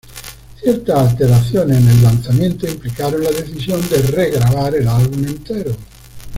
Ciertas alteraciones en el lanzamiento implicaron la decisión de re-grabar el álbum entero.